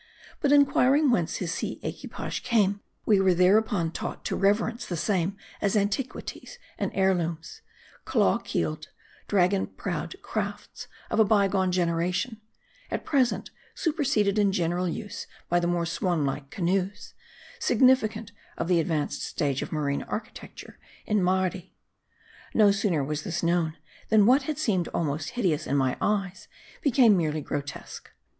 But inquiring whence his sea equipage came, we were there upon taught to reverence the same as antiquities and heir looms ; claw keeled, dragon prowed crafts of a bygone gen eration ; at present, superseded in general use by the more swan like canoes, significant of the advanced stage of marine architecture in Mardi. No sooner was this known, than what had seemed almost hideous in my eyes, became merely grotesque.